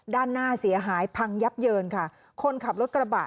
ด้านหน้าเสียหายพังยับเยินค่ะคนขับรถกระบะ